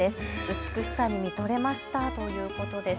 美しさに見とれましたということです。